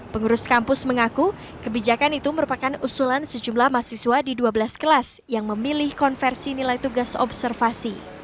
pengurus kampus mengaku kebijakan itu merupakan usulan sejumlah mahasiswa di dua belas kelas yang memilih konversi nilai tugas observasi